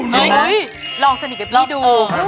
ลองสนิทกับพี่ดู